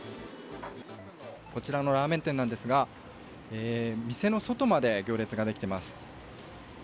こちらのラーメン店なんですが店の外まで行列ができています。